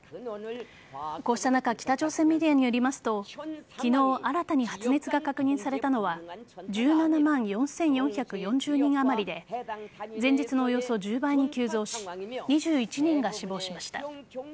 こうした中北朝鮮メディアによりますと昨日新たに発熱が確認されたのは１７万４４４０人あまりで前日のおよそ１０倍に急増し２１人が死亡しました。